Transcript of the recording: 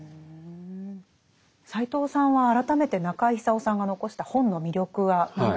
斎藤さんは改めて中井久夫さんが残した本の魅力は何だとお考えですか？